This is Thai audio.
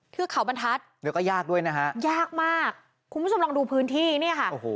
เทือกเขาบรรทัศน์แล้วก็ยากด้วยนะฮะยากมากคุณผู้ชมลองดูพื้นที่เนี่ยค่ะโอ้โห